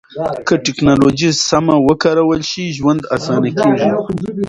که ټکنالوژي سمه وکارول شي، ژوند اسانه کېږي.